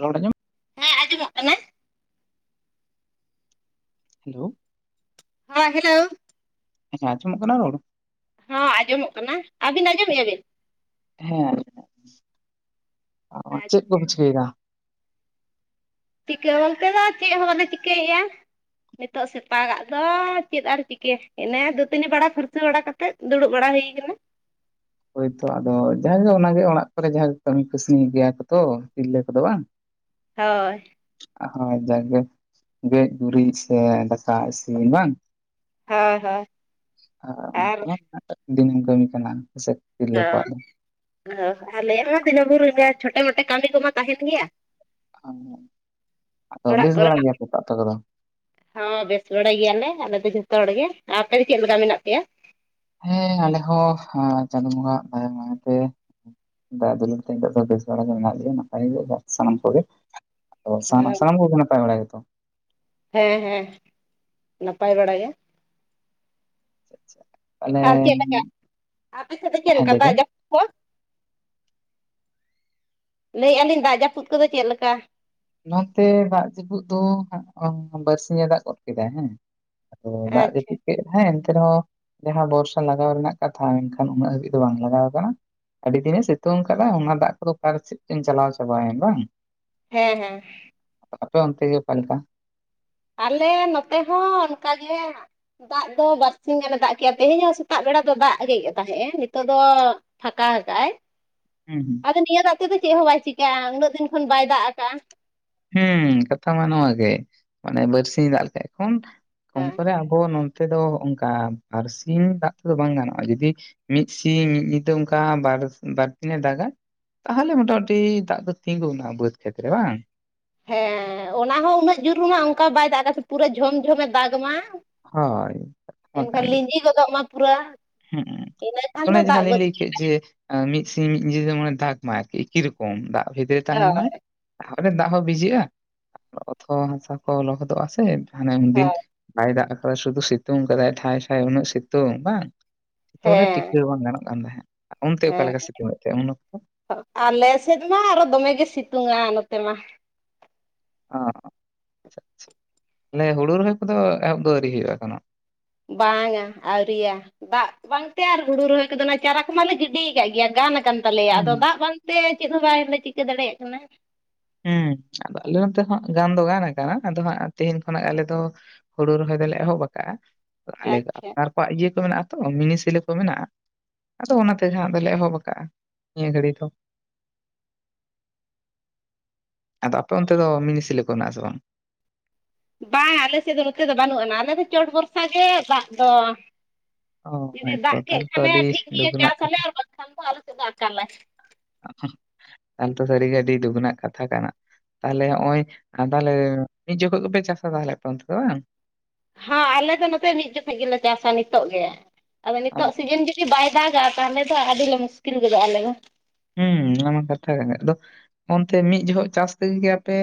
ᱨᱚᱲ ᱟᱸᱡᱚᱢ ᱦᱮᱸ ᱟᱸᱡᱚᱢᱚᱜ ᱠᱟᱱᱟ ᱦᱮᱞᱳ ᱦᱮᱸ ᱦᱮᱞᱳ ᱟᱪᱷᱟ ᱟᱸᱡᱚᱢᱚᱜ ᱠᱟᱱᱟ ᱨᱚᱲ ᱦᱚᱸ ᱟᱸᱡᱚᱢᱚᱜ ᱠᱟᱱᱟ ᱟᱹᱵᱤᱱ ᱟᱸᱡᱚᱢᱮᱜᱼᱟ ᱵᱤᱱ ᱦᱮᱸ [unintelligible] ᱪᱮᱫ ᱠᱚᱵᱤᱱ ᱪᱤᱠᱟᱹᱭᱮᱫᱟ ᱪᱤᱠᱟᱹ ᱠᱚᱫᱚ ᱪᱮᱫ ᱦᱚᱸ ᱵᱟᱞᱮ ᱪᱤᱠᱟᱹᱭᱮᱫᱼᱟ ᱱᱤᱛᱚᱜ ᱥᱮᱛᱟᱜᱟᱜ ᱫᱚ ᱪᱮᱫ ᱟᱨ ᱪᱤᱠᱟᱹ ᱮᱱᱮ ᱫᱟᱹᱛᱟᱹᱱᱤ ᱵᱟᱲᱟ ᱯᱷᱟᱹᱨᱪᱟᱹ ᱵᱟᱲᱟ ᱠᱟᱛᱮᱫ ᱫᱩᱲᱩᱵ ᱵᱟᱲᱟ ᱦᱩᱭ ᱠᱟᱱᱟ [inaudible] ᱦᱳᱭᱛᱳ ᱟᱫᱚ ᱡᱟᱦᱟᱸᱭ ᱚᱱᱟᱜᱮ ᱚᱲᱟᱜ ᱠᱚᱨᱮ ᱡᱟᱦᱟᱸ ᱠᱟᱹᱢᱤ ᱠᱟᱹᱥᱱᱤ ᱜᱮᱭᱟ ᱠᱚ ᱛᱚ ᱛᱤᱨᱞᱟᱹ ᱠᱚᱫᱚ ᱵᱟᱝ ᱦᱳᱭ ᱦᱳᱭ ᱡᱟᱠ ᱜᱮ ᱜᱮᱡ-ᱜᱩᱨᱤᱡ ᱥᱮ ᱫᱟᱠᱟ ᱤᱥᱤᱱ ᱵᱟᱝ ᱦᱳᱭ ᱦᱳᱭ ᱚᱱᱟ ᱟᱨ ᱠᱚᱢᱟ ᱫᱤᱱᱟᱹᱢ ᱠᱟᱹᱢᱤ ᱠᱟᱱᱟ ᱦᱮᱥᱮ ᱚ ᱚ ᱟᱞᱮᱢᱟ ᱫᱤᱱᱟᱹᱢ ᱜᱮ [unintelligible] ᱪᱷᱳᱴᱟ-ᱢᱚᱴᱟ ᱠᱟᱹᱢᱤ ᱠᱚᱢᱟ ᱛᱟᱦᱮᱱ ᱜᱮᱭᱟ [unintelligible] ᱚᱲᱟᱜ ᱵᱮᱥ ᱠᱚ ᱵᱟᱲᱟ ᱨᱮᱱᱟᱜ ᱜᱮᱭᱟ [unintelligible] ᱯᱮ ᱛᱚ ᱟᱯᱮ ᱠᱚᱫᱚ? ᱦᱚᱸ ᱵᱮᱥ ᱵᱟᱲᱟᱭ ᱜᱮᱭᱟᱞᱮ ᱟᱞᱮ ᱫᱚ ᱡᱚᱛᱚ ᱡᱚᱛᱚ ᱦᱚᱲ ᱜᱮ ᱟᱯᱮ ᱫᱚ ᱪᱮᱫ ᱞᱮᱠᱟ ᱢᱮᱱᱟᱜ ᱯᱮᱭᱟ ᱦᱮᱸ ᱟᱞᱮᱦᱚᱸ ᱪᱟᱸᱫᱳ ᱵᱚᱸᱜᱟ ᱟᱜ ᱫᱟᱭᱟ ᱢᱟᱭᱟᱛᱮ ᱫᱟᱭᱟ ᱫᱩᱞᱟ. ᱲ ᱛᱮ ᱱᱤᱛᱳᱜ ᱫᱚ ᱵᱮᱥ ᱵᱟᱲᱟ ᱜᱮ ᱢᱮᱱᱟᱜ ᱞᱮᱭᱟ [inaudible] ᱥᱟᱱᱟᱢ ᱠᱚ ᱜᱮ ᱛᱚ ᱥᱟᱱᱟᱢ ᱠᱚᱜᱮ ᱱᱟᱯᱟᱭ ᱵᱟᱲᱟ ᱜᱮᱛᱚ? ᱦᱮᱸ ᱦᱮᱸ ᱱᱟᱯᱟᱭ ᱵᱟᱲᱟ ᱜᱮ ᱟᱪᱪᱷᱟ ᱟᱪᱪᱷᱟ ᱟᱨ ᱪᱮᱫ ᱞᱮᱠᱟ ᱟᱯᱮ ᱥᱮᱫ ᱫᱚ ᱪᱮᱫ ᱦᱮᱸ ᱞᱮᱠᱟ ᱞᱟᱹᱭ ᱵᱮᱱ ᱫᱟᱜ ᱡᱟᱹᱯᱩᱫ ᱠᱚ? ᱞᱟᱹᱭᱮᱜᱼᱟ ᱞᱤᱧ ᱫᱟᱜ ᱡᱟᱹᱯᱩᱫ ᱠᱚᱫᱚ ᱪᱮᱫ ᱞᱮᱠᱟ? ᱱᱚᱛᱮ ᱫᱟᱜ ᱡᱟᱹᱯᱩᱫ ᱫᱚ ᱦᱟᱸᱜ ᱵᱟᱨᱥᱤᱧ ᱮ ᱫᱟᱜ ᱜᱚᱫ ᱠᱮᱫᱟᱭ ᱦᱮᱸ ᱟᱫᱚ ᱫᱟᱜ ᱟᱪᱪᱷᱟ ᱡᱟᱹᱯᱩᱫ ᱠᱮᱫ ᱦᱮᱸ ᱱᱚᱛᱮ ᱨᱮᱦᱚᱸ ᱢᱟᱦᱟᱸ ᱵᱚᱨᱥᱟ ᱞᱟᱜᱟᱣ ᱨᱮᱱᱟᱜ ᱠᱟᱛᱷᱟ ᱢᱮᱱᱠᱷᱟᱱ ᱩᱱᱟᱹᱜ ᱦᱟᱹᱵᱤᱡ ᱫᱚ ᱵᱟᱝ ᱞᱟᱜᱟᱣ ᱠᱟᱱᱟ ᱟᱹᱰᱤ ᱫᱤᱱᱮ ᱥᱤᱛᱩᱝ ᱟᱠᱟᱫ-ᱟ ᱚᱱᱟ ᱫᱟᱜ ᱠᱚᱫᱚ ᱚᱠᱟ ᱥᱮᱫ ᱪᱚᱝ ᱪᱟᱞᱟᱣ ᱪᱟᱵᱟᱭᱮᱱ ᱵᱟᱝ ᱦᱮᱸ ᱦᱮᱸ ᱟᱯᱮ ᱚᱱᱛᱮ ᱜᱮ ᱚᱠᱟ ᱞᱮᱠᱟ? ᱟᱞᱮ ᱱᱚᱛᱮ ᱦᱚᱸ ᱚᱱᱠᱟᱜᱮ ᱫᱟᱜ ᱫᱚ ᱵᱟᱨᱥᱤᱧ ᱜᱟᱱ ᱮ ᱫᱟᱜ ᱠᱮᱜᱼᱟ ᱛᱮᱦᱮᱧ ᱦᱚᱸ ᱥᱮᱛᱟᱜ ᱵᱮᱲᱟ ᱫᱚ ᱫᱟᱜ ᱤᱫᱤᱭᱮᱫ ᱜᱮ ᱛᱟᱦᱮᱸ-ᱮ ᱱᱤᱛᱚᱜ ᱫᱚ ᱯᱷᱟᱸᱠᱟ ᱫᱟᱜ ᱠᱟᱜ ᱟᱭ ᱦᱩᱸ ᱟᱫᱚ ᱱᱤᱭᱟᱹ ᱫᱟᱜ ᱛᱮᱫᱚ ᱪᱮᱫ ᱦᱚᱸ ᱵᱟᱭ ᱪᱤᱠᱟᱹᱜᱼᱟ ᱩᱱᱟᱹᱜ ᱫᱤᱱ ᱠᱷᱚᱱ ᱵᱟᱭ ᱫᱟᱜ ᱟᱠᱟᱜᱼᱟ ᱦᱮᱸ ᱠᱟᱛᱷᱟ ᱢᱟ ᱱᱚᱣᱟ ᱜᱮ ᱢᱟᱱᱮ ᱵᱟᱹᱨᱥᱤᱧ ᱫᱟᱜ ᱞᱮᱜ ᱠᱷᱚᱱ ᱠᱚᱢ ᱦᱮᱸ ᱠᱚᱨᱮ ᱟᱵᱚ ᱱᱚ [unintelligible] ᱛᱮᱫᱚ ᱚᱱᱠᱟ ᱵᱟᱨ ᱥᱤᱧ ᱫᱟᱜ ᱛᱮᱫᱚ ᱵᱟᱝ ᱜᱟᱱᱚᱜᱼᱟ ᱡᱩᱫᱤ ᱢᱤᱫ ᱥᱤᱧ ᱢᱤᱫ ᱧᱤᱫᱟᱹ ᱚᱱᱠᱟ ᱵᱟᱨ ᱵᱟᱨ ᱫᱤᱱ-ᱮ ᱫᱟᱜᱼᱟ ᱛᱟᱦᱞᱮ ᱢᱚᱴᱟᱢᱩᱴᱤ ᱫᱟᱜ ᱫᱚ ᱛᱤᱸᱜᱩᱱᱟ ᱵᱟᱹᱫᱽ ᱠᱷᱮᱛ ᱨᱮ ᱵᱟᱝ ᱦᱮᱸ ᱚᱱᱟ ᱦᱚᱸ ᱩᱱᱟᱹᱜ ᱡᱩᱨᱢᱟ ᱚᱱᱠᱟ ᱵᱟᱭ ᱫᱟᱜ ᱟᱠᱟᱫ ᱥᱮ ᱯᱩᱨᱟᱹ ᱡᱷᱚᱢ ᱡᱷᱚᱢᱮ ᱫᱟᱜᱽ ᱢᱟ ᱦᱳᱭ ᱮᱱᱠᱷᱟᱱ ᱞᱤᱸᱡᱤ ᱜᱚᱫᱚᱜ ᱢᱟ ᱯᱩᱨᱟᱹ ᱦᱩᱸᱜ ᱤᱱᱟᱹᱠᱷᱟᱱ ᱫᱚ ᱚᱱᱮ ᱫᱟᱜ ᱡᱟᱦᱟᱸ ᱞᱤᱧ ᱵᱟᱹᱫ ᱞᱟᱹᱭ ᱠᱮᱫ ᱡᱮ ᱢᱤᱫ ᱥᱤᱧ ᱢᱤᱫ ᱧᱤᱫᱟ. ᱡᱮᱢᱚᱱ-ᱮ ᱫᱟᱜ ᱢᱟ ᱟᱨᱠᱤ ᱮᱠᱤ ᱨᱚᱠᱚᱢ ᱫᱟᱜ ᱵᱷᱮᱫ ᱨᱮ ᱛᱟᱦᱮᱸᱱ ᱢᱟᱭ ᱨᱮ ᱫᱟᱜ ᱦᱚᱸ ᱵᱷᱤᱡᱟᱹᱜᱼᱟ ᱚᱛ ᱠᱚ ᱦᱟᱥᱟ ᱠᱚ ᱞᱚᱦᱚᱫᱚᱜᱼᱟ ᱥᱮ ᱦᱟᱱᱮ ᱩᱱᱫᱤᱱ ᱦᱮᱸ ᱵᱟᱭ ᱫᱟᱜ ᱟᱠᱟᱫᱟ ᱥᱩᱫᱷᱩ ᱥᱤᱛᱩᱝ ᱠᱟᱫᱟᱭ ᱴᱷᱟᱭ ᱴᱷᱟᱭ ᱩᱱᱟᱹᱜ ᱥᱤᱛᱩᱝ ᱵᱟᱝ ᱥᱤᱛᱩᱝ ᱨᱮ ᱦᱮᱸ ᱴᱤᱠᱟᱹᱣ ᱵᱟᱝ ᱜᱟᱱᱚᱜ ᱠᱟᱱ ᱛᱟᱦᱮᱸᱫ ᱚᱱᱛᱮ ᱚᱠᱟ ᱦᱮᱸ ᱞᱮᱠᱟ ᱥᱤᱛᱩᱝ ᱮᱫ ᱛᱟᱦᱮᱸᱫ ᱩᱱ ᱚᱠᱛᱚ ᱟᱞᱮ ᱥᱮᱫ ᱢᱟ ᱟᱨᱚ ᱫᱚᱢᱮ ᱜᱮ ᱥᱤᱛ ᱛᱩᱸᱣᱟ ᱱᱚᱛᱮ ᱢᱟ ᱚ ᱟᱪᱪᱷᱟ ᱟᱪᱪᱷᱟ ᱛᱟᱦᱞᱮ ᱦᱩᱲᱩ ᱨᱚᱦᱚᱭ ᱠᱚᱫᱚ ᱮᱦᱚᱵ ᱫᱚ ᱟᱹᱣᱨᱤ ᱦᱩᱭᱩᱜ-ᱟ ᱮᱠᱷᱚᱱᱚ? ᱵᱟᱝᱟ ᱟᱹᱣᱨᱤᱭᱟ ᱫᱟᱜ ᱵᱟᱝᱛᱮ ᱟᱨ ᱦᱩᱲᱩ ᱨᱚᱦᱚᱭ ᱠᱚᱫᱚ ᱚᱱᱟ ᱪᱟᱨᱟ ᱠᱚ ᱢᱟᱞᱮ ᱜᱤᱰᱤ ᱟᱠᱟᱫ ᱜᱮᱭᱟ ᱜᱟᱱ ᱟᱠᱟᱱ ᱛᱟᱞᱮᱭᱟ ᱟᱫᱚ ᱦᱩᱸ ᱫᱟᱜ ᱵᱟᱝᱛᱮ ᱪᱮᱫ ᱦᱚᱸ ᱵᱟᱭᱞᱮ ᱪᱤᱠᱟᱹ ᱫᱟᱲᱮᱭᱟᱜ ᱠᱟᱱᱟ ᱦᱮᱸ ᱦᱮᱸ ᱟᱫᱚ ᱟᱞᱮ ᱱᱚᱛᱮ ᱦᱚᱸ ᱜᱟᱱ ᱫᱚ ᱜᱟᱱ ᱟᱠᱟᱱᱟ ᱟᱫᱚ ᱦᱟᱸᱜ ᱛᱮᱦᱮᱧ ᱠᱷᱚᱱᱟᱜ ᱟᱞᱮ ᱫᱚ ᱦᱩᱲᱩ ᱨᱚᱦᱚᱭ ᱫᱚᱞᱮ ᱮᱦᱚᱵ ᱟᱠᱟᱫ ᱟᱞᱮ ᱫᱚ ᱟᱪᱪᱷᱟ ᱟᱯᱱᱟᱨ ᱠᱚᱣᱟᱜ ᱤᱭᱟᱹ ᱠᱚ ᱢᱮᱱᱟᱜᱼᱟ ᱛᱚ ᱢᱤᱱᱤ ᱥᱮᱞᱳ ᱠᱚ ᱢᱮᱱᱟᱜᱼᱟ ᱟᱫᱚ ᱚᱱᱟᱛᱮ ᱦᱟᱸᱜ ᱫᱚᱞᱮ ᱮᱦᱚᱵ ᱠᱟᱜᱼᱟ ᱱᱤᱭᱟᱹ ᱜᱷᱟᱹᱲᱤ ᱫᱚ ᱟᱫᱚ ᱟᱯᱮ ᱚᱱᱛᱮ ᱫᱚ ᱢᱤᱱᱤ ᱥᱮᱞᱳ ᱠᱚ ᱢᱮᱱᱟᱜ-ᱟ ᱥᱮ ᱵᱟᱝ? ᱵᱟᱝ ᱟᱞᱮ ᱥᱮᱫ ᱫᱚ ᱱᱚᱛᱮ ᱫᱚ ᱵᱟᱹᱱᱩᱜ ᱟᱱᱟ ᱟᱞᱮ ᱫᱚ ᱪᱚᱴ ᱵᱷᱚᱨᱥᱟ ᱜᱮ ᱫᱟᱜ ᱫᱚ ᱚ ᱡᱩᱫᱤ ᱦᱮᱸᱛᱚ ᱫᱟᱜ ᱠᱮᱫ ᱛᱟᱦᱚᱞᱮ ᱛᱚ ᱠᱷᱟᱱᱮ ᱟᱹᱰᱤ ᱴᱷᱤᱠ ᱫᱩᱠ ᱜᱮᱭᱟ ᱨᱮᱱᱟᱜ ᱪᱟᱥ ᱟᱞᱮ ᱠᱟᱛᱷᱟ ᱟᱨ ᱵᱟᱝᱠᱷᱟᱱ ᱫᱚ ᱟᱞᱮ ᱥᱮᱫ ᱫᱚ ᱟᱠᱟᱞᱟᱭ ᱦᱚᱸᱜ-ᱚ ᱛᱟᱦᱚᱞᱮ ᱛᱚ ᱥᱟᱹᱨᱤ ᱜᱮ ᱟᱹᱰᱤ ᱫᱩᱠ ᱨᱮᱱᱟᱜ ᱠᱟᱛᱷᱟ ᱠᱟᱱᱟ ᱛᱟᱦᱞᱮ ᱱᱚᱜᱼᱚᱭ ᱛᱟᱦᱞᱮ ᱢᱤᱫ ᱡᱚᱠᱷᱚᱡ ᱜᱮᱯᱮ ᱪᱟᱥᱟ ᱛᱟᱦᱞᱮ ᱟᱯᱮ ᱚᱱᱛᱮ ᱫᱚ ᱵᱟᱝ? ᱦᱚᱸ ᱟᱞᱮ ᱫᱚ ᱱᱚᱛᱮ ᱢᱤᱫ ᱡᱚᱠᱷᱚᱡ ᱜᱮᱞᱮ ᱪᱟᱥᱟ ᱱᱤᱛᱚᱜ ᱜᱮ ᱟᱫᱚ ᱱᱤᱛᱚᱜ ᱥᱤᱡᱤᱱ ᱡᱩᱫᱤ ᱵᱟᱭ ᱫᱟᱜᱟ ᱛᱟᱦᱞᱮ ᱫᱚ ᱟᱹᱰᱤ ᱞᱮ ᱢᱩᱥᱠᱤᱞ ᱜᱚᱫᱚᱜ ᱟᱞᱮ ᱫᱚ ᱦᱩᱸ ᱚᱱᱟ ᱢᱟ ᱠᱟᱛᱷᱟ ᱠᱟᱱᱟ ᱟᱫᱚ ᱚᱱᱛᱮ ᱢᱤᱫ ᱡᱚᱦᱚᱜ ᱪᱟᱥ ᱛᱮᱜᱮ ᱟᱯᱮ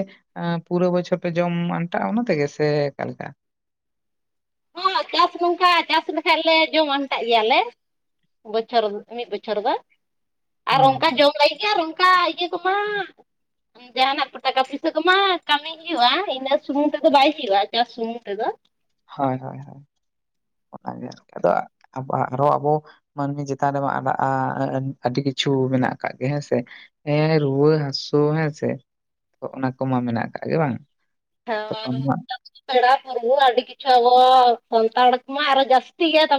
ᱯᱩᱨᱟᱹ ᱵᱚᱪᱷᱚᱨ ᱯᱮ ᱡᱚᱢ ᱟᱱᱴᱟᱜᱼᱟ ᱚᱱᱟ ᱛᱮᱜᱮ ᱥᱮ ᱚᱠᱟᱞᱮᱠᱟ? ᱦᱚᱸ ᱪᱟᱥ ᱱᱚᱝᱠᱟ ᱪᱟᱥ ᱞᱮᱠᱷᱟᱡ ᱞᱮ ᱡᱚᱢ ᱟᱱᱴᱟᱜ ᱜᱮᱭᱟᱞᱮ ᱵᱚᱪᱷᱚᱨ ᱢᱤᱫ ᱵᱚᱪᱷᱚᱨ ᱫᱚ ᱟᱨ ᱚᱱᱠᱟ ᱦᱩᱸ ᱡᱚᱢ ᱞᱟᱹᱜᱤᱫ ᱜᱮ ᱟᱨ ᱩᱱ ᱚᱠᱟ ᱤᱭᱟᱹ ᱠᱚᱢᱟ [unintelligible] ᱡᱟᱦᱟᱱᱟᱜ ᱠᱚ ᱴᱟᱠᱟ ᱯᱩᱭᱥᱟᱹ ᱠᱚᱢᱟ ᱠᱟᱹᱢᱤ ᱦᱩᱭᱩᱜᱼᱟ ᱤᱱᱟᱹᱜ ᱥᱩᱢᱩᱝ ᱛᱮᱫᱚ ᱵᱟᱭ ᱦᱩᱭᱩᱜᱼᱟ ᱪᱟᱥ ᱥᱩᱢᱩᱝ ᱛᱮᱫᱚ ᱦᱳᱭ ᱦᱳᱭ ᱦᱳᱭ ᱚᱱᱟᱜᱮ ᱟᱨᱠᱤ ᱟᱫᱚ ᱟᱵᱚ ᱟᱜ ᱨᱚᱲ ᱢᱟᱹᱱᱢᱤ ᱪᱮᱛᱟᱱ ᱨᱮᱢᱟ ᱟᱲᱟᱜᱼᱟ ᱟᱹᱰᱤ ᱠᱤᱪᱷᱩ ᱠᱤᱪᱷᱩ ᱢᱮᱱᱟᱜ ᱟᱠᱟᱜ ᱜᱮ ᱦᱮᱸ ᱥᱮ ᱮᱸ ᱨᱩᱣᱟᱹ ᱦᱟᱹᱥᱩ ᱦᱮᱸ ᱥᱮ ᱛᱚ ᱚᱱᱟ ᱠᱚᱢᱟ ᱢᱮᱱᱟᱜ ᱟᱠᱟᱟᱜ ᱜᱮ ᱵᱟᱝ ᱛᱚᱠᱷᱚᱱ ᱢᱟ [inaudible] ᱯᱮᱲᱟ ᱛᱚᱵᱩ ᱟᱹᱰᱤ ᱠᱤᱪᱩ ᱟᱵᱚ ᱥᱟᱱᱛᱟᱲ ᱠᱚ ᱢᱟ ᱟᱨᱦᱚ ᱡᱟᱹᱥᱛᱤ ᱜᱮᱭᱟ ᱛᱚ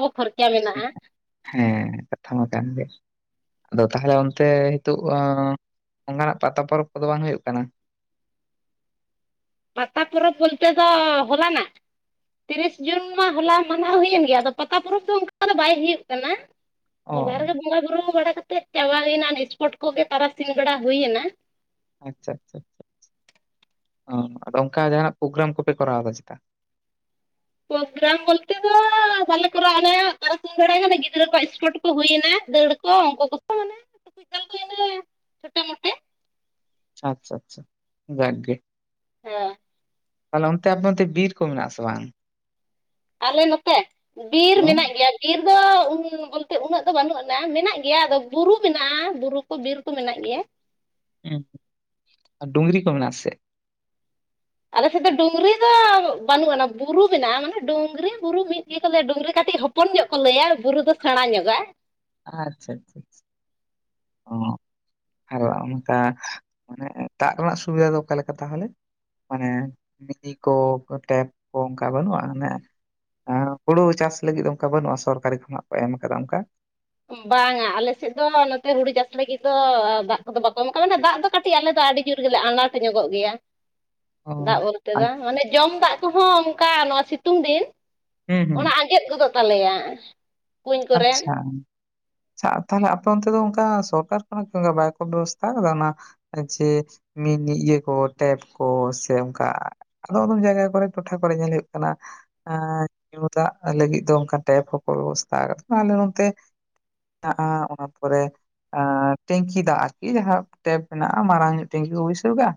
ᱦᱮᱸ ᱠᱟᱛᱷᱟ ᱢᱟ ᱠᱟᱱ ᱜᱮᱭᱟ ᱟᱫᱚ ᱛᱟᱦᱚᱞᱮ ᱚᱱᱛᱮ ᱱᱤᱛᱚᱜ ᱚᱱᱠᱟᱱᱟᱜ ᱯᱟᱛᱟ ᱯᱚᱨᱚᱵᱽ ᱠᱚᱫᱚ ᱵᱟᱝ ᱦᱩᱭᱩᱜ ᱠᱟᱱᱟ? [inaudible] ᱯᱟᱛᱟ ᱯᱚᱨᱚᱵᱽ ᱵᱚᱞᱛᱮ ᱫᱚ ᱦᱚᱞᱟᱱᱟᱜ ᱛᱤᱨᱤᱥ ᱡᱩᱱ ᱢᱟ ᱦᱚᱞᱟ ᱢᱟᱱᱟᱣ ᱦᱩᱭᱮᱱ ᱜᱮᱭᱟ ᱟᱫᱚ ᱯᱟᱛᱟ ᱯᱚᱨᱚᱵᱽ ᱫᱚ ᱚᱱᱠᱟ ᱫᱚ ᱵᱟᱭ ᱦᱩᱭᱩᱜ ᱠᱟᱱᱟ᱾ ᱚ ᱦᱚᱞᱟ ᱨᱮ ᱜᱮ ᱵᱚᱸᱜᱟ ᱵᱩᱨᱩ ᱵᱟᱲᱮ ᱠᱟᱛᱮᱜ ᱪᱟᱵᱟ ᱞᱮᱱᱟ ᱤᱥᱯᱳᱴ ᱠᱚᱜᱮ ᱛᱟᱨᱟᱥᱤᱧ ᱵᱮᱲᱟ ᱦᱩᱭᱱᱟ ᱟᱪᱪᱷᱟ ᱟᱪᱪᱷᱟ ᱟᱪᱷᱟᱷᱟ ᱚ ᱟᱫᱚ ᱚᱱᱠᱟ ᱦᱟᱸᱜ ᱯᱨᱳᱜᱨᱟᱢ ᱠᱚᱯᱮ ᱠᱚᱨᱟᱣᱫᱟ ᱪᱮᱛᱟ? ᱯᱚᱜᱨᱟᱢ ᱵᱚᱞᱛᱮ ᱫᱚ ᱵᱟᱞᱮ ᱠᱚᱨᱟᱣ ᱚᱱᱮ ᱛᱟᱨᱟᱥᱤᱧ ᱵᱮᱲᱟ ᱜᱤᱫᱽᱨᱟᱹ ᱠᱚᱣᱟᱜ ᱤᱥᱯᱚᱴ ᱠᱚ ᱦᱩᱭᱮᱱᱟ ᱫᱟᱹᱲ ᱠᱚ ᱩᱱᱠᱩ ᱠᱚᱠᱚ ᱢᱟᱱᱮ [inaudible] ᱪᱷᱩᱴᱮ ᱢᱚᱸᱴᱮ ᱟᱪᱪᱷᱟ ᱟᱪᱪᱷᱟ ᱟᱪᱪᱷᱟ ᱡᱟᱠᱜᱮ ᱦᱮᱸ ᱛᱟᱦᱞᱮ ᱚᱱᱛᱮ ᱟᱯᱮ ᱱᱛᱮ ᱵᱤᱨ ᱠᱚ ᱢᱮᱱᱟᱜ-ᱟ ᱥᱮ ᱵᱟᱝ? ᱟᱞᱮ ᱱᱚᱛᱮ ᱵᱤᱨ ᱦᱮᱸ ᱢᱮᱱᱟᱜ ᱜᱮᱭᱟ ᱵᱤᱨ [inaudible] ᱛᱮ ᱩᱱᱟᱹᱜ ᱫᱚ ᱵᱟᱹᱱᱩᱜ ᱟᱱᱟ ᱢᱮᱱᱟᱜ ᱜᱮᱭᱟ ᱟᱫᱚ ᱵᱩᱨᱩ ᱢᱮᱱᱟᱜᱼᱟ ᱵᱩᱨᱩ ᱠᱚ ᱵᱤᱨ ᱠᱚ ᱢᱮᱱᱟᱜ ᱜᱮᱭᱟ᱾ ᱦᱚᱸ ᱟ ᱰᱩᱝᱨᱤ ᱠᱚ ᱢᱮᱱᱟᱜ ᱟᱥᱮ? ᱟᱞᱮ ᱥᱮᱫ ᱫᱚ ᱰᱩᱝᱨᱤ ᱫᱚ ᱵᱟᱹᱱᱩᱜ ᱟ ᱵᱩᱨᱩ ᱢᱮᱱᱟᱜᱼᱟ ᱢᱟᱱᱮ ᱰᱩᱝᱨᱤ ᱵᱩᱨᱩ ᱢᱤᱫ ᱜᱮᱠᱚ ᱞᱮᱭᱟ ᱰᱩᱝᱨᱤ ᱠᱟᱹᱴᱤᱡ ᱦᱚᱯᱼᱼ ᱦᱚᱯᱚᱱ ᱧᱚᱜ ᱠᱚ ᱞᱟᱹᱭᱟ ᱵᱩᱨᱩ ᱫᱚ ᱥᱮᱬᱟ ᱧᱚᱜᱼᱟ᱾ ᱟᱪᱪᱷᱟ ᱪᱷᱟ ᱪᱷᱟ ᱚ ᱟᱨ ᱚᱱᱠᱟ ᱢᱟᱱᱮ ᱫᱟᱜ ᱨᱮᱱᱟᱜ ᱥᱩᱵᱤᱫᱷᱟ ᱫᱚ ᱚᱠᱟᱞᱮᱠᱟ ᱛᱟᱦᱚᱞᱮ, ᱢᱟᱱᱮ ᱢᱤᱞᱤ ᱠᱚ ᱴᱮᱯ ᱠᱚ ᱚᱱᱠᱟ ᱵᱟᱹᱱᱩᱜᱼᱟ ᱟᱱᱮ ᱦᱩᱲᱩ ᱪᱟᱥ ᱞᱟᱹᱜᱤᱫ ᱚᱱᱠᱟ ᱵᱟᱹᱱᱩᱜᱼᱟ ᱥᱚᱨᱠᱟᱨᱤ ᱠᱷᱚᱱᱟᱜ ᱠᱚ ᱮᱢ ᱠᱟᱫᱟ ᱚᱱᱠᱟ, ᱵᱟᱝᱟ ᱟᱞᱮ ᱥᱮᱫ ᱫᱚ ᱱᱚᱛᱮ ᱦᱩᱲᱩ ᱪᱟᱥ ᱞᱟᱹᱜᱤᱫ ᱫᱚ ᱫᱟᱜ ᱠᱚᱫᱚ ᱵᱟᱠᱚ ᱮᱢ ᱠᱟᱜᱼᱟ ᱢᱟᱱᱮ ᱫᱟᱜ ᱫᱚ ᱠᱟᱹᱴᱤᱡ ᱟᱞᱮ ᱫᱚ ᱟᱹᱰᱤ ᱡᱳᱨ ᱜᱮᱞᱮ ᱟᱱᱟᱴ ᱧᱚᱜᱚᱜ ᱜᱮᱭᱟ, ᱚ ᱫᱟᱜ ᱵᱚᱞᱛᱮ ᱫᱚ ᱢᱟᱱᱮ ᱡᱚᱢ ᱫᱟᱜ ᱠᱚᱦᱚᱸ ᱚᱱᱠᱟ ᱱᱚᱣᱟ ᱥᱤᱛᱩᱝ ᱫᱤᱱ ᱦᱩᱸ ᱦᱩᱸ ᱚᱱᱟ ᱟᱸᱡᱮᱫ ᱜᱚᱫᱚᱜ ᱛᱟᱞᱮᱭᱟ᱾ ᱠᱩᱧ ᱠᱚᱨᱮ ᱟᱪᱪᱷᱟ ᱟ ᱛᱟᱦᱚᱞᱮ ᱟᱯᱮ ᱚᱱᱛᱮ ᱫᱚ ᱚᱱᱠᱟ ᱥᱚᱨᱠᱟᱨ ᱠᱷᱚᱱᱟᱜ ᱚᱱ ᱵᱟᱭᱠᱚ ᱵᱮᱵᱚᱥᱛᱷᱟ ᱟᱠᱟᱫᱟ ᱚᱱᱟ ᱡᱮ ᱤᱭᱟᱹ ᱠᱚ ᱴᱮᱯ ᱠᱚ ᱥᱮ ᱚᱱᱠᱟ ᱟᱫ ᱟᱫᱚᱢ ᱡᱟᱭᱜᱟ ᱠᱚᱨᱮ ᱴᱚᱴᱷᱟ ᱠᱚᱨᱮ ᱧᱮᱞ ᱦᱩᱭᱩᱜ ᱠᱟᱱᱟ ᱮᱻ ᱧᱩ ᱫᱟᱜ ᱞᱟᱹᱜᱤᱫ ᱫᱚ ᱚᱱ ᱴᱮᱯ ᱦᱚᱸᱠᱚ ᱵᱮᱵᱚᱥᱛᱷᱟ ᱠᱟᱫᱟ ᱟᱞᱮ ᱱᱚᱱᱛᱮ ᱢᱮᱱᱟᱜᱼᱟ ᱚᱱᱟ ᱯᱚᱨᱮ ᱴᱮᱝᱠᱤ ᱫᱟᱜ ᱟᱨᱠᱤ ᱡᱟᱦᱟᱸ ᱴᱮᱯ ᱢᱮᱱᱟᱜᱼᱟ ᱢᱟᱨᱟᱝ ᱧᱚᱜ ᱴᱮᱝᱠᱤ ᱠᱚ ᱵᱟᱹᱭᱥᱟᱹᱣ ᱫᱟ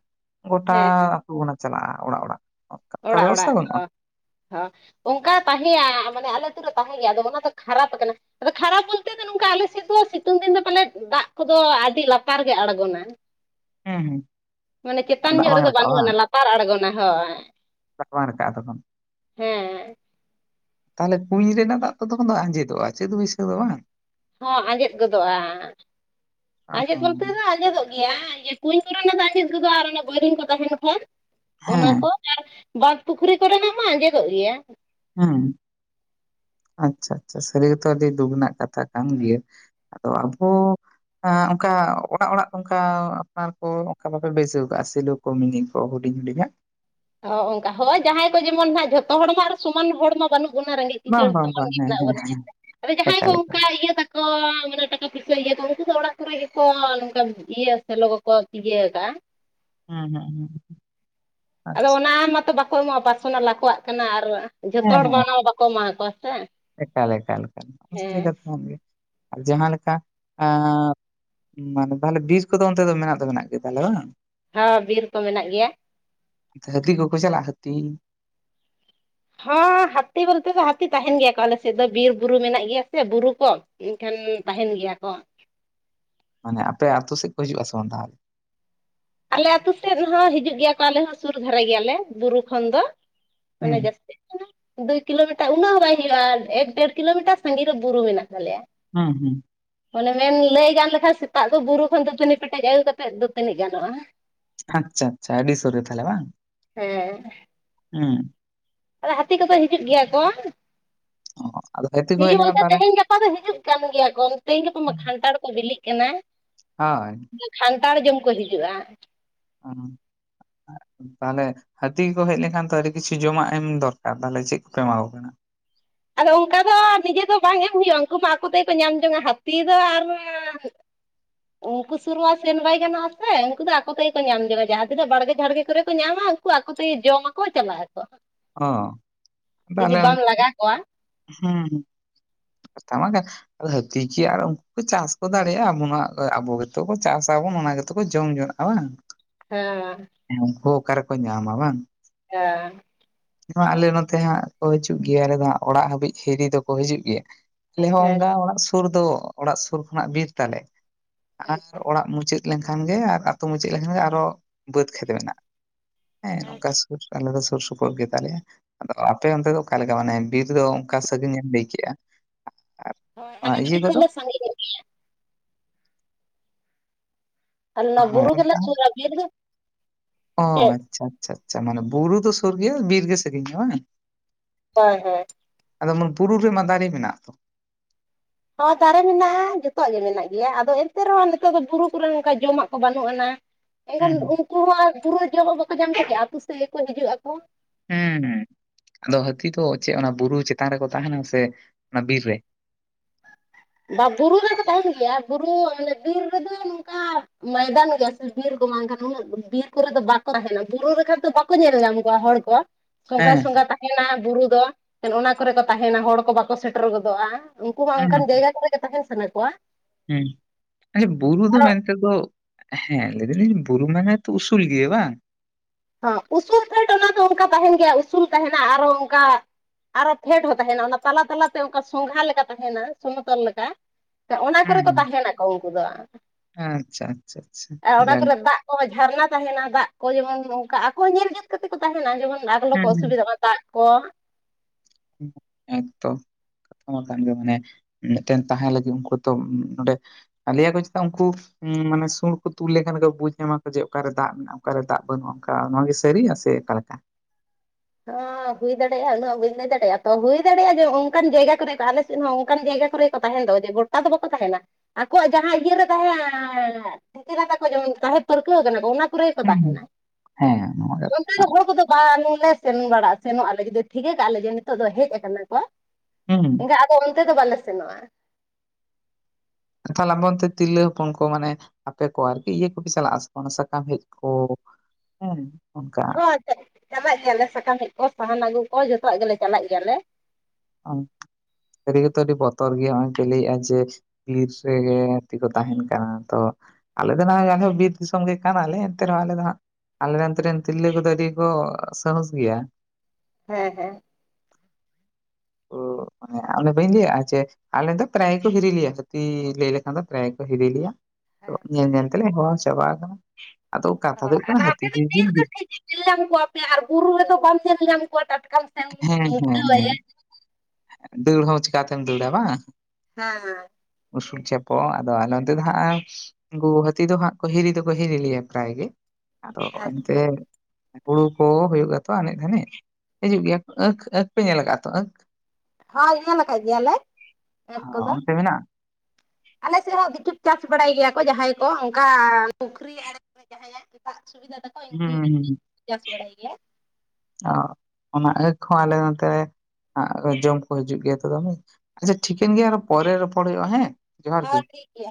ᱜᱚᱴᱟ ᱦᱮᱸ ᱟᱹᱛᱩ ᱠᱷᱚᱱᱟᱜ ᱪᱟᱞᱟᱜᱼᱟ ᱚᱲᱟᱜ ᱚᱲᱟᱜ, ᱚᱱᱠᱟ ᱚᱱᱠᱟ ᱚᱲᱟᱜ ᱵᱮᱵᱚᱥᱛᱷᱟ ᱚᱲᱟᱜ ᱵᱟᱹᱱᱩᱜᱼᱟ ᱚ ᱦᱚᱸ ᱚᱱᱠᱟ ᱛᱟᱦᱮᱸᱭᱟ ᱢᱟᱱᱮ ᱟᱞᱮ ᱟᱛᱩᱨ ᱨᱮ ᱛᱟᱦᱮᱸ ᱜᱮᱭᱟ ᱟᱫᱚ ᱚᱱᱟ ᱫᱚ ᱠᱷᱟᱨᱟᱯ ᱠᱟᱱᱟ ᱟᱫᱚ ᱠᱷᱟᱨᱟᱯ ᱵᱚᱞᱛᱮ ᱫᱚ ᱱᱚᱝᱠᱟ ᱟᱞᱮ ᱥᱛᱩᱚᱜ ᱥᱤᱛᱩᱝ ᱫᱤᱱ ᱫᱚ ᱯᱟᱞᱮ ᱫᱟᱜ ᱠᱚᱫᱚ ᱟᱹᱰᱤ ᱞᱟᱛᱟᱨ ᱜᱮ ᱟᱬᱜᱚᱱᱟ᱾ ᱦᱮᱸ ᱦᱮᱸ ᱢᱟᱱᱮ ᱪᱮᱛᱟᱱ ᱧᱚᱜ ᱨᱮᱫᱚ ᱵᱟᱹᱱᱩᱜ ᱟᱱᱟ ᱞᱟᱛᱟᱨ ᱟᱬᱜᱚᱱᱟ ᱦᱳᱭ, [unintelligible] ᱛᱠᱷᱚᱱ ᱦᱮᱸ ᱛᱟᱦᱚᱞᱮ ᱠᱩᱧ ᱨᱮᱱᱟᱜ ᱫᱟᱜ ᱫᱚ ᱛᱚᱠᱷᱚᱱ ᱫᱚ ᱟᱸᱡᱮᱫᱚᱜᱼᱟ ᱪᱮᱫ ᱵᱟᱹᱭᱥᱟᱹᱣ ᱫᱚ ᱵᱟᱝ ᱦᱚᱸ ᱟᱸᱡᱮᱫ ᱜᱚᱫᱚᱜᱼᱟ ᱚ ᱟᱸᱡᱮᱫ ᱵᱚᱞᱛᱮ ᱦᱚᱸ ᱫᱚ ᱟᱸᱡᱮᱫᱚᱜ ᱜᱮᱭᱟ ᱤᱭᱟ. ᱠᱩᱧ ᱠᱚᱨᱮᱱᱟᱜ ᱫᱟᱜ ᱟᱸᱡᱮᱫ ᱜᱚᱫᱚᱜ ᱟ ᱟᱨ ᱚᱱ ᱵᱳᱨᱤᱝ ᱠᱚ ᱛᱟᱦᱮᱱ ᱠᱷᱟ ᱚᱱᱟ ᱠᱚ ᱦᱮᱸ ᱟᱨ ᱵᱟᱸᱫᱽ ᱯᱩᱠᱷᱨᱤ ᱠᱚᱨᱮᱱᱟᱜ ᱢᱟ ᱟᱸᱡᱮᱫᱚᱜ ᱜᱮᱭᱟ, ᱦᱮᱸ ᱟᱪᱪᱷᱟ ᱟᱪᱪᱷᱟ ᱥᱟᱹᱨᱤ ᱜᱮᱛᱚ ᱟᱹᱰᱤ ᱫᱩᱠ ᱨᱮᱱᱟᱜ ᱠᱟᱛᱷᱟ ᱠᱟᱱ ᱜᱮᱭᱟ ᱟᱫᱚ ᱟᱵᱚ ᱮ ᱚᱱᱠᱟ ᱚᱲᱟᱜ ᱚᱲᱟᱜ ᱚᱱᱠᱟ ᱟᱯᱱᱟᱨ ᱠᱚ ᱚᱱᱠᱟ ᱵᱟᱯᱮ ᱵᱟᱹᱭᱡᱟᱹᱣ ᱠᱟᱜᱼᱟ ᱥᱮᱞᱩ ᱠᱚ ᱢᱤᱱᱤ ᱠᱚ ᱦᱩ ᱦᱩᱰᱤᱧ ᱦᱩᱰᱤᱧ ᱟᱜ ᱚᱱᱠᱟ ᱦᱳᱭ ᱡᱟᱦᱟᱸᱭ ᱠᱚ ᱡᱮᱢᱚᱱ ᱦᱟᱸᱜ ᱡᱷᱚᱛᱚ ᱦᱚᱲ ᱢᱟ ᱟᱨ ᱥᱚᱢᱟᱱ ᱦᱚᱲᱢᱟ ᱵᱟᱹᱱᱩᱜ ᱠᱚ ᱨᱮᱸᱜᱮᱡ ᱵᱟᱝ ᱠᱤᱥᱟᱹᱲ ᱵᱟᱝ ᱥᱚᱢᱟᱱ ᱵᱟᱝ ᱜᱮ ᱢᱮᱱᱟᱜ ᱵᱚᱱᱟ ᱦᱮᱸ ᱥᱮ ᱟᱫᱚ ᱡᱟᱦᱟᱸᱭ ᱠᱚ ᱮᱠᱟᱞ ᱮᱠᱟᱞ ᱚᱱᱠᱟ ᱤᱭᱟᱹ ᱛᱟᱠᱚ ᱢᱟᱱᱮ ᱴᱟᱠᱟ ᱯᱚᱭᱥᱟ ᱤᱭᱟᱹ ᱩᱱᱠᱩ ᱫᱚ ᱚᱲᱟᱜ ᱠᱚᱨᱮ ᱜᱮᱠᱚ ᱚᱱᱠᱟ ᱤᱭᱟᱹ ᱥᱮᱞᱳ ᱠᱚ ᱠᱚ ᱤᱭᱟᱹ ᱠᱟᱜᱼᱟ ᱦᱮᱸ ᱦᱮᱸ ᱦᱮᱸ ᱟᱫᱚ ᱟᱪᱪᱷᱟ ᱚᱱᱟ ᱢᱟᱛᱚ ᱵᱟᱠᱚ ᱮᱢᱚᱜᱼᱟ ᱯᱟᱨᱥᱚᱱᱟᱞ ᱟᱠᱚᱣᱟᱜ ᱠᱟᱱᱟ ᱟᱨ ᱡᱷᱚᱛᱚ ᱦᱮᱸ ᱦᱚᱲ ᱢᱟ ᱦᱮᱸ ᱚᱱᱟ ᱢᱟ ᱵᱟᱠᱚ ᱮᱢᱟᱠᱚᱣᱟ, ᱮᱠᱟᱞ ᱮᱠᱟᱞ ᱚᱱᱟ ᱥᱟ. ᱨᱤ ᱠᱟᱛᱷᱟ ᱠᱟᱱ ᱜᱮ ᱟᱨ ᱡᱟᱦᱟᱸ ᱞᱮᱠᱟ ᱮ ᱢᱟᱱᱮ ᱛᱟᱦᱞᱮ ᱵᱤᱨ ᱠᱚᱫᱚ ᱚᱱᱛᱮ ᱫᱚ ᱢᱮᱱᱟᱜ ᱫᱚ ᱢᱮᱱᱟᱜ ᱜᱮ ᱛᱟᱦᱚᱞᱮ ᱵᱟᱝ ᱦᱮᱸ ᱵᱤᱨ ᱠᱚ ᱢᱮᱱᱟᱜ ᱜᱮᱭᱟ ᱦᱟᱹᱛᱤ ᱠᱚᱠᱚ ᱪᱟᱞᱟᱜᱼᱟ ᱦᱟᱹᱛᱤ ᱦᱚᱸᱸ ᱦᱟᱹᱛᱤ ᱵᱚᱞᱛᱮ ᱫᱚ ᱦᱟᱹᱛᱤ ᱛᱟᱦᱮᱱ ᱜᱮᱭᱟ ᱠᱚ ᱟᱞᱮ ᱥᱮᱫ ᱫᱚ ᱵᱤᱨ ᱵᱩᱨᱩ ᱢᱮᱱᱟᱜ ᱜᱮᱭᱟ ᱥᱮ ᱵᱩᱨᱩ ᱠᱚ ᱮᱱᱠᱷᱟᱱ ᱛᱟᱦᱮᱱ ᱜᱮᱭᱟ ᱠᱚ, ᱢᱟᱱᱮ ᱟᱯᱮ ᱟ ᱟᱭᱳ ᱥᱮᱫ ᱠᱚ ᱦᱤᱡᱩᱜ ᱟ ᱥᱮ ᱵᱟᱝ ᱛᱟᱦᱚᱞᱮ ᱟᱞᱮ ᱟᱹᱛᱩ ᱥᱮᱫ ᱦᱚᱸ ᱦᱤᱡᱩᱜ ᱜᱮᱭᱟ ᱠᱚ ᱟᱞᱮ ᱦᱚᱸ ᱥᱩᱨ ᱫᱷᱟᱨᱟ ᱜᱮᱭᱟᱞᱮ ᱵᱩᱨᱩ ᱠᱷᱚᱱ ᱫᱚ ᱢᱟᱱᱮ ᱦᱩᱸ ᱡᱟᱥᱛᱤ ᱠᱟᱱᱟ ᱫᱩᱭ ᱠᱤᱞᱳᱢᱤᱴᱟᱨ ᱩᱱᱟᱹᱜ ᱦᱚᱸ ᱵᱟᱭ ᱦᱩᱭᱩᱜᱼᱟ ᱮᱠ ᱰᱮᱲ ᱠᱤᱞᱳᱢᱤᱴᱟᱨ ᱥᱟᱺᱜᱤᱧ ᱨᱮ ᱵᱩᱨᱩ ᱢᱮᱱᱟᱜ ᱛᱟᱞᱮᱭᱟ ᱦᱮᱸ ᱦᱮᱸ ᱚᱱᱮ ᱢᱮᱱ ᱞᱟᱹᱭ ᱜᱟᱱ ᱞᱮᱠᱷᱟᱱ ᱥᱮᱛᱟᱜ ᱠᱚ ᱵᱩᱨᱩ ᱠᱷᱚᱱ ᱫᱩᱛᱟᱹᱱᱤ ᱯᱮᱴᱮᱡ ᱟᱹᱜᱩ ᱠᱟᱛᱮᱜ ᱫᱩᱛᱟᱹᱱᱤ ᱜᱟᱱᱚᱜᱼᱟ ᱟᱪᱪᱷᱟ ᱟᱪᱪᱷᱟ ᱟᱹᱰᱤ ᱥᱩᱨ ᱨᱮ ᱛᱟᱦᱚᱞᱮ ᱵᱟᱝ ᱦᱮᱸ ᱦᱮᱸ ᱟᱫᱚ ᱦᱟᱹᱛᱤ ᱠᱚᱫᱚ ᱦᱤᱡᱩᱜ ᱜᱮᱭᱟ ᱠᱚ ᱵᱟᱝ ᱚ ᱟᱫᱚ ᱦᱟᱹᱛᱤ ᱠᱚ ᱦᱮᱡ ᱦᱮᱡᱩ ᱞᱮᱱᱠᱷᱟᱱ ᱵᱚᱞᱠᱮ ᱛᱟᱦᱚᱞᱮ ᱛᱮᱦᱮᱧ ᱜᱟᱯᱟ ᱫᱚ ᱦᱤᱡᱩᱜ ᱠᱟᱱ ᱜᱮᱭᱟ ᱠᱚ ᱛᱮᱦᱤᱧ ᱜᱟᱯᱟ ᱢᱟ ᱠᱷᱟᱱᱴᱷᱟᱲ ᱠᱚ ᱵᱤᱞᱤᱜ ᱠᱟᱱᱟ ᱦᱳᱭ ᱴᱟᱲ ᱡᱚᱢ ᱠᱚ ᱦᱤᱡᱩᱜᱼᱟ ᱦᱚᱸ ᱛᱟᱦᱚᱞᱮ ᱦᱟᱹᱛᱤ ᱠᱚ ᱦᱮᱡ ᱞᱮᱱᱠᱷᱟᱱ ᱛᱚ ᱟᱹᱰᱤ ᱠᱤᱪᱷᱩ ᱡᱚᱢᱟᱜ ᱮᱢ ᱫᱚᱨᱠᱟᱨ ᱛᱟᱦᱞᱮ ᱪᱮᱫ ᱠᱚᱯᱮ ᱮᱢᱟ ᱠᱚ ᱠᱟᱱᱟ ᱟᱫᱚ ᱚᱱᱠᱟ ᱫᱚ ᱱᱤᱡᱮ ᱫᱚ ᱵᱟᱝ ᱮᱢ ᱦᱩᱭᱩᱜᱼᱟ ᱩᱱᱠᱩ ᱢᱟ ᱟᱠᱚ ᱛᱮᱜᱮᱠᱚ ᱧᱟᱢ ᱡᱚᱝᱟ ᱦᱟᱹᱛᱤ ᱫᱚ ᱟᱨ ᱩᱱᱠᱩ ᱥᱩᱨ ᱢᱟ ᱥᱮᱱ ᱵᱟᱭ ᱜᱟᱱᱚᱜᱼᱟ ᱥᱮ ᱩᱱᱠᱩ ᱫᱚ ᱟᱠᱚ ᱛᱮᱜᱮ ᱠᱚ ᱧᱟᱢ ᱡᱚᱜᱟ ᱡᱟᱦᱟᱸ ᱛᱤᱱᱟᱹᱜ ᱵᱟᱲᱜᱮ ᱡᱷᱟᱲᱜᱮ ᱠᱚᱨᱮ ᱠᱚ ᱧᱟᱢᱟ ᱩᱱᱠᱩ ᱟᱠᱚ ᱛᱮᱜᱮ ᱡᱚᱢ ᱟᱠᱚ ᱪᱟᱞᱟᱜ ᱟᱠᱚ ᱚ ᱡᱩᱫᱤ ᱵᱟᱢ ᱞᱟᱜᱟ ᱠᱚᱣᱟ ᱦᱮᱸ ᱦᱮᱸ ᱠᱟᱛᱷᱟ ᱢᱟ ᱦᱟᱹᱛᱤ ᱜᱮ ᱟᱨ ᱩᱱᱠᱩ ᱠᱚ ᱪᱟᱥ ᱠᱚ ᱫᱟᱲᱮᱭᱟᱜᱼᱟ ᱟᱵᱚ ᱟᱵᱚ ᱜᱮᱛᱚ ᱠᱚ ᱪᱟᱥᱟ ᱛᱟᱵᱚᱱ ᱚᱱᱟ ᱜᱮᱛ ᱠᱚ ᱡᱚᱢ ᱡᱚᱝᱼᱟ ᱵᱟᱝ ᱦᱮᱸ ᱩᱱᱠᱩ ᱦᱚᱸ ᱚᱠᱟ ᱨᱮᱠᱚ ᱧᱟᱢᱟ ᱵᱟᱝ ᱦᱮ ᱱᱚᱣᱟ ᱟᱞᱮ ᱱᱚᱛᱮ ᱦᱟᱸᱜ ᱠᱚ ᱦᱤᱡᱩᱜ ᱜᱮᱭᱟ ᱟᱞᱮ ᱫᱚ ᱦᱟᱸᱜ ᱚᱲᱟᱜ ᱦᱟᱹᱵᱤᱡ ᱦᱤᱨᱤ ᱫᱚᱠᱚ ᱦᱤᱡᱩᱜ ᱜᱮᱭᱟ ᱟᱞᱮ ᱦᱚᱸ ᱦᱮᱸ ᱚᱱᱠᱟ ᱚᱲᱟᱜ ᱥᱩᱨ ᱫᱚ ᱚᱲᱟᱜ ᱥᱩᱨ ᱠᱷᱚᱱᱟᱜ ᱵᱤᱨ ᱛᱟᱞᱮ ᱟᱨ ᱟᱪᱪᱷᱟ ᱚᱲᱟᱜ ᱢᱩᱪᱟᱹᱫ ᱞᱮᱱᱠᱷᱟᱱ ᱜᱮ ᱟᱨ ᱟᱛᱳ ᱢᱩᱪᱟᱹᱫ ᱞᱮᱠᱷᱟᱱ ᱜᱮ ᱟᱨᱚ ᱵᱟᱹᱫᱽ ᱠᱷᱮᱛ ᱢᱮᱱᱟᱜᱼᱟ ᱦᱮᱸ ᱱᱚᱝᱠᱟ ᱟᱪᱪᱷᱟ ᱥᱩᱨ ᱟᱞᱮ ᱫᱚ ᱥᱩᱨ ᱥᱩᱯᱩᱨ ᱯᱩᱨ ᱜᱮᱛᱟᱞᱮᱭᱟ ᱟᱫᱚ ᱟᱯᱮ ᱚᱱᱛᱮ ᱫᱚ ᱚᱠᱟ ᱞᱮᱠᱟ ᱢᱟᱱᱮ ᱵᱤᱨ ᱫᱚ ᱚᱱᱠᱟ ᱥᱟᱹᱜᱤᱧᱮ ᱮᱢ ᱞᱟᱹᱭ ᱠᱮᱫᱮᱜᱼᱟ ᱦᱳᱭ ᱟᱞᱮ ᱫᱚ ᱵᱤᱨ ᱫᱚᱞᱮ ᱥᱟᱺᱜᱤᱧᱚᱜ ᱜᱮᱭᱟ ᱟᱞ ᱵᱨ ᱜᱮᱞᱟ ᱥᱩᱨ ᱵᱤᱨ ᱫᱚ ᱚ ᱪᱮᱫ ᱟᱪᱪᱷᱟ ᱟᱪᱪᱷᱟ ᱟᱪᱪᱷᱟ ᱢᱟᱱᱮ ᱵᱩᱨᱩ ᱛᱚ ᱥᱩᱨ ᱜᱮᱭᱟ ᱵᱤᱨ ᱜᱮ ᱥᱮᱜᱤᱧ ᱜᱮᱭᱟ ᱵᱟᱝᱮᱸ ᱦᱳᱭ ᱦᱳᱭ ᱟᱫᱚᱚᱱ ᱵᱩᱨᱩ ᱨᱮ ᱢᱟ ᱫᱟᱨᱮ ᱢᱮᱱᱟᱜ ᱛᱚ? ᱦᱚ ᱫᱟᱨᱮ ᱢᱮᱱᱟᱜᱼᱟ᱾ ᱡᱚᱛᱚᱣᱟᱜ ᱜᱮ ᱢᱮᱱᱟᱜ ᱜᱮᱭᱟ ᱟᱫᱚ ᱮᱱᱛᱮ ᱨᱮᱦᱚᱸ ᱱᱤᱛᱚᱜ ᱫᱚ ᱵᱩᱨᱩ ᱠᱚᱨᱮ ᱝᱠᱟ ᱡᱚᱢᱟᱜ ᱠᱚ ᱵᱟᱹᱱᱩᱜ ᱟᱱᱟ᱾ ᱮᱱᱠᱷᱟᱱ ᱦᱩᱸ ᱩᱱᱠᱩ ᱦᱚᱸ ᱵᱩᱨᱟᱹ ᱡᱚᱢ ᱦᱚᱸ ᱵᱟᱠᱚ ᱧᱟᱢ ᱫᱟᱲ ᱠᱮᱭᱟ ᱟ ᱟᱹᱛᱩ ᱥᱮᱫ ᱜᱮᱠᱚ ᱦᱤᱡᱩᱜ ᱟᱠᱚ ᱦᱮᱸ ᱦᱮᱸ ᱟᱫᱚ ᱦᱟᱹᱛᱤ ᱫᱚ ᱪᱮᱫ ᱚᱱᱟ ᱵᱩᱨᱩ ᱪᱮᱛᱟᱱ ᱨᱮᱠᱚ ᱛᱟᱦᱮᱱᱟ ᱥᱮ ᱚᱱᱟ ᱵᱤᱨ ᱨᱮ ᱵᱟ ᱵᱩᱨᱩ ᱨᱮᱫᱚ ᱛᱟᱦᱮᱱ ᱜᱮᱭᱟ ᱵᱩᱨᱩ ᱢᱟᱱᱮ ᱵᱤᱨ ᱨᱮᱫᱚ ᱱᱚᱝᱠᱟ ᱢᱚᱭᱫᱟᱱ ᱜᱮᱭᱟ ᱥᱮ ᱵᱤᱨ ᱵᱟᱝᱠᱷᱟᱱ ᱩᱱᱟᱹᱜ ᱵᱤᱨ ᱠᱚᱨᱮ ᱫᱚ ᱵᱟᱠᱚ ᱛᱟᱦᱮᱱᱟ ᱵᱩᱨᱩ ᱨᱮᱠᱷᱟᱱ ᱫᱚᱚ ᱵᱟᱠᱚ ᱧᱮᱞ ᱧᱟᱢ ᱠᱚᱣᱟ ᱦᱚᱲ ᱠᱚ᱾ ᱥᱚᱸᱜᱷᱟ ᱦᱮᱸ ᱥᱚᱸᱜᱷᱟ ᱛᱟᱦᱮᱱᱟ ᱵᱩᱨᱩ ᱫᱚ ᱚᱱᱟ ᱠᱚᱨᱮ ᱠᱚ ᱛᱟᱦᱮᱱᱟ ᱦᱚᱲ ᱠᱚ ᱵᱟᱠᱚ ᱥᱮᱴᱮᱨ ᱜᱚᱫᱚᱜᱼᱟ᱾ ᱩᱱᱠᱩ ᱦᱚᱸ ᱦᱩᱸ ᱚᱱᱠᱟᱱ ᱦᱩᱸ ᱡᱟᱭᱜᱟ ᱠᱚᱨᱮᱜ ᱜᱮ ᱛᱟᱦᱮᱱ ᱥᱟᱱᱟ ᱠᱚᱣᱟ ᱦᱩᱸ ᱟᱪᱪᱷᱟ ᱵᱩᱨᱩ ᱫᱚ ᱢᱮᱱᱛᱮ ᱫᱚ ᱦᱮᱸ ᱞᱟᱹᱭ ᱫᱟᱞᱤᱧ ᱵᱩᱨᱩ ᱢᱟᱦᱮ ᱛᱚ ᱩᱥᱩᱞ ᱜᱮᱭᱟ ᱵᱟᱝ ᱦᱮ ᱩᱥᱩᱞ ᱯᱷᱮᱴ ᱚᱱᱟ ᱫᱚ ᱚᱱᱠᱟ ᱛᱟᱦᱮᱱ ᱜᱮᱭᱟ ᱩᱥᱩᱞ ᱛᱟᱦᱮᱱᱟ ᱟᱨᱚ ᱚᱱᱠᱟ ᱟᱨᱚ ᱯᱷᱮᱰ ᱦᱚᱸ ᱛᱟᱦᱮᱱᱟ ᱚᱱᱟ ᱛᱟᱞᱟ ᱛᱟᱞᱟᱛᱮ ᱚᱱᱠᱟ ᱥᱚᱸᱜᱷᱟ ᱞᱮᱠᱟ ᱛᱟᱦᱮᱱᱟ ᱥᱩᱱᱚᱛᱚᱞ ᱞᱮᱠᱟ᱾ ᱚᱱᱟ ᱠᱚᱨᱮ ᱦᱩᱸ ᱠᱚ ᱛᱟᱦᱮᱱᱟᱠᱚ ᱩᱱᱠᱩ ᱫᱚ᱾ ᱦᱩᱸ ᱟᱪᱪᱷᱟ ᱟᱪᱪᱷᱟ ᱟᱪᱪᱷᱟ ᱟᱨ ᱚᱱᱟ ᱡᱟᱠ ᱠᱚᱨᱮ ᱫᱟᱜ ᱠᱚ ᱡᱷᱟᱨᱱᱟ ᱛᱟᱦᱮᱱᱟ ᱫᱟᱜ᱾ ᱟᱠᱚ ᱡᱮᱢᱚᱱ ᱚᱱᱠᱟ ᱟᱠᱚ ᱧᱮᱞ ᱧᱮᱞ ᱠᱟᱛᱮ ᱠᱚ ᱛᱟᱦᱮᱱᱟ ᱡᱮᱢᱚᱱᱞᱚ ᱠᱚ ᱦᱩᱸ ᱚᱥᱩᱵᱤᱫᱟᱜ ᱢᱟ ᱫᱟᱜ ᱠᱚ ᱦᱮᱛᱚ ᱷᱟ ᱠᱟᱱ ᱜᱮ ᱢᱟᱱᱮ ᱢᱤᱫᱴᱮᱱ ᱛᱟᱸᱦ ᱞᱟᱹᱜᱤᱫ ᱩᱱᱠᱩ ᱛᱚ ᱱᱚᱰᱮ ᱞᱭᱟ ᱠᱚ ᱪᱮᱫᱟᱜ ᱩᱱᱠᱩ ᱦᱮᱸ ᱢᱟᱱᱮ ᱥᱩᱲ ᱠᱚ ᱛᱩᱞ ᱞᱮᱠᱷᱟᱱ ᱠᱚ ᱵᱩᱡ ᱧᱟᱢᱟ ᱠᱚ ᱡᱮ ᱚᱠᱟᱨᱮ ᱫᱟᱜ ᱢᱮᱱᱟᱜᱼᱟ ᱚᱠᱟᱨᱮ ᱫᱟᱜ ᱵᱟᱹᱱᱩᱜᱼᱟ᱾ ᱚᱱᱠᱟ ᱱᱚᱶᱟ ᱜᱮ ᱥᱟᱹᱨᱤ ᱟ ᱥᱮ ᱚᱠᱟ ᱞᱮᱠᱟ ᱦᱮᱸ ᱦᱩᱭ ᱫᱟᱲᱮᱭᱟᱜᱼᱟ᱾ ᱩᱱᱟᱹᱜ ᱵᱟᱹᱧ ᱞᱟᱹᱭ ᱫᱟᱲᱮᱭᱟᱜᱼᱟ ᱛᱚ ᱦᱩᱭ ᱫᱟᱲᱮᱭᱟᱜᱼᱟ ᱡᱮ ᱚᱱᱠᱟᱱ ᱡᱟᱭᱜᱟ ᱠᱚᱨᱮ ᱟᱞᱮ ᱥᱮᱫ ᱦᱚᱸ ᱚᱱᱠᱟᱱ ᱡᱟᱭᱜᱟ ᱠᱚᱨᱮ ᱠᱚ ᱛᱟᱦᱮᱱ ᱫᱚ ᱡᱮ ᱜᱚᱴᱟ ᱫᱚ ᱵᱟᱠᱚ ᱛᱟᱦᱮᱱᱟ ᱟᱠᱚᱣᱟᱜ ᱡᱟᱦᱟᱸ ᱤᱭᱟᱹ ᱨᱮ ᱛᱟᱦᱮᱸᱱᱟᱛᱟ ᱠᱚᱢ ᱛᱟᱦᱮᱸ ᱯᱟᱹᱨᱠᱟᱹᱣ ᱠᱟᱱᱟ ᱠᱚ ᱚᱱᱟ ᱠᱚᱨᱮ ᱠᱚ ᱦᱩᱸ ᱦᱩᱸ, ᱛᱟᱦᱮᱱᱟ ᱦᱮᱸ ᱱᱚᱣᱟ ᱠᱟᱛᱷᱟ ᱚᱱᱛᱮ ᱫᱚ ᱠᱟᱱᱟ ᱦᱚᱲ ᱠᱚᱫᱚ ᱵᱟᱝᱮ ᱥᱮᱱ ᱵᱟᱲᱟᱜᱼᱟ᱾ ᱥᱮᱱᱚᱜ ᱟᱞᱮ ᱡᱩᱫᱤ ᱴᱷᱤᱠᱟᱹ ᱠᱟᱜᱼᱟ ᱞᱮᱮ ᱡᱮ ᱱᱤᱛᱚᱜ ᱫᱚ ᱦᱮᱡ ᱟᱠᱟᱱᱟ ᱠᱚᱣᱟ ᱦᱩᱸ ᱮᱱᱠᱷᱟᱱ ᱟᱫᱚ ᱛᱮ ᱫᱚ ᱵᱟᱞᱮ ᱥᱮᱱᱚᱣᱟ ᱛᱟᱦᱞᱮᱵᱚᱱᱛᱮ ᱛᱤᱨᱞᱟᱹ ᱦᱚᱯᱚᱱ ᱠᱚ ᱢᱟᱱᱮ ᱟᱯᱮ ᱠᱚ ᱟᱨᱠᱤ ᱤᱭᱟᱹ ᱠᱚᱜᱮ ᱪᱟᱞᱟᱜ ᱟᱥᱮ ᱵᱟᱝ ᱥᱟᱠᱟᱢ ᱦᱮᱡ ᱠᱚ? ᱦᱮᱸ ᱚᱱᱠᱟ ᱦᱳᱭ ᱪᱟᱞᱟᱜ ᱜᱮᱭᱟᱞᱮ ᱥᱟᱠᱟᱢ ᱦᱮᱡ ᱠᱚ ᱥᱟᱦᱟᱱ ᱟᱹᱜᱩ ᱠᱚ ᱡᱚᱛᱚᱣᱟᱜ ᱜᱮᱞᱮ ᱪᱟᱞᱟᱜ ᱜᱮᱭᱟᱞᱮ ᱚ ᱥᱟᱹᱨᱤ ᱜᱮᱛᱚ ᱟᱹᱰᱤ ᱵᱚᱛᱚᱨ ᱜᱮ ᱱᱚᱜᱚᱭ ᱠᱚ ᱞᱟᱹᱭᱮᱜᱼᱟ ᱡᱮ ᱵᱤᱨ ᱨᱮᱜᱮ ᱜᱟᱛᱮ ᱠᱚ ᱛᱟᱦᱮᱱ ᱠᱟᱱᱟ ᱛᱚ᱾ ᱟᱞᱮ ᱫᱚ ᱱᱟᱞᱮ ᱵᱤᱨ ᱫᱤᱥᱚᱢ ᱜᱮ ᱠᱟᱱᱟᱞᱮ ᱮᱱᱛᱮ ᱨᱮᱦᱚᱸ ᱟᱞᱮ ᱫᱚ ᱦᱟᱸᱜ ᱟᱞᱮ ᱱᱚᱛᱮ ᱨᱮᱱ ᱛᱤᱨᱞᱟᱹ ᱠᱚᱫᱚ ᱟᱹᱰᱤ ᱠᱚ ᱥᱟᱦᱚᱥ ᱜᱮᱭᱟ᱾ ᱦᱮᱸ ᱦᱮᱸ ᱚ ᱚᱱᱮ ᱫᱚ ᱵᱟᱹᱧ ᱞᱟᱹᱭᱟ ᱡᱮ ᱯᱨᱟᱭ ᱜᱮᱠᱚ ᱦᱤᱨᱤᱤᱞᱭᱟ ᱠᱷᱛᱤᱤ ᱞᱟᱹᱭ ᱞᱮᱠᱷᱟᱱ ᱫᱚ ᱯᱨᱟᱭ ᱜᱮᱠᱚ ᱦᱤᱨᱤ ᱞᱮᱭᱟ᱾ ᱦᱮᱸ ᱧᱮᱞ ᱧᱮᱞ ᱛᱟᱞᱮ ᱦᱮᱣᱟ ᱪᱟᱵᱟᱣ ᱟᱠᱟᱱᱟ᱾ ᱟᱫᱚ ᱠᱟᱛᱷᱟ ᱫᱚ ᱦᱩᱭᱩᱜ ᱠᱟᱱᱟ ᱟᱫᱚ ᱦᱟᱹᱛᱤ ᱟᱯᱮ ᱫᱚ ᱰᱤᱨ ᱦᱮᱸ ᱴᱷᱤᱠ ᱧᱮᱞ ᱧᱟᱢ ᱠᱚᱣᱟᱯᱮ ᱟᱨ ᱵᱩᱨᱩ ᱨᱮᱫᱚ ᱵᱟᱢ ᱧᱮᱞ ᱧᱟᱢ ᱠᱚᱣᱟ ᱴᱟᱴᱠᱟ᱾ ᱦᱮᱸ ᱦᱮᱸ ᱦᱮᱸ ᱫᱟᱹᱲ ᱦᱚ ᱪᱮᱠᱟ ᱛᱮᱢ ᱫᱟᱹᱲᱼᱟ᱾ ᱦᱮᱸ ᱦᱮᱸ ᱩᱥᱩᱞ ᱪᱟᱯᱚ ᱟᱫᱚ ᱟᱞᱮ ᱚᱱᱛᱮ ᱫᱚ ᱦᱟᱸᱜ ᱠᱚ ᱦᱟᱹᱛᱤ ᱫᱚ ᱦᱟᱸᱜ ᱦᱤᱨᱤ ᱫᱚᱠᱚ ᱦᱤᱨᱤ ᱞᱮᱭᱟ ᱯᱨᱟᱭ ᱜᱮ ᱟᱫᱚ ᱮᱱᱛᱮ ᱟᱪᱪᱷᱟ ᱦᱩᱲᱩ ᱠᱚ ᱦᱩᱭᱩᱜ ᱜᱮᱛᱚ ᱮᱱᱮᱡ ᱫᱷᱟᱹᱱᱤᱡ ᱦᱤᱡᱩᱜ ᱜᱮᱭᱟ ᱟᱹᱠᱷᱚ ᱟᱹᱠᱷᱚ ᱯᱮ ᱧᱮᱞ ᱟᱠᱟᱫᱟ? ᱦᱳᱭ ᱧᱮᱞ ᱟᱠᱟᱫ ᱜᱮᱭᱟᱞᱮ ᱟᱹᱠᱷᱚ ᱠᱚᱫᱚ ᱚᱱᱛᱮ ᱢᱮᱱᱟᱜᱼᱟ ᱟᱞᱮ ᱥᱮᱫ ᱦᱚᱸ ᱠᱤᱪᱷᱩ ᱪᱟᱥ ᱵᱟᱲᱟᱭ ᱜᱮᱭᱟ ᱠᱚ ᱡᱟᱦᱟᱸᱭ ᱠᱚ ᱚᱱᱠᱟ ᱯᱩᱠᱷᱨᱤ ᱟᱲᱮ ᱠᱚᱨᱮ ᱡᱟᱦᱟᱸᱭᱟᱜ ᱪᱮᱫᱟᱜ ᱦᱩᱸ ᱦᱩᱸ ᱜᱮᱭᱟ ᱚ ᱟᱹᱠᱷᱚ ᱦᱚᱸ ᱟᱞᱮ ᱛᱮ ᱡᱚᱢ ᱠᱚ ᱦᱤᱡᱩᱜ ᱜᱮᱭᱟ ᱛ ᱟᱪᱪᱷᱟ ᱴᱷᱤᱠᱟᱹᱱ ᱜᱮᱭᱟᱚ ᱯᱚᱨᱮ ᱨᱚᱯᱚᱲ ᱦᱩᱭᱩᱜᱼᱟ ᱦᱮᱸ ᱡᱚᱦᱟᱨ ᱜᱮ ᱦᱮᱸ ᱴᱷᱤᱠ ᱜᱮᱭᱟ